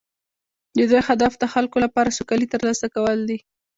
د دوی هدف د خلکو لپاره سوکالي ترلاسه کول دي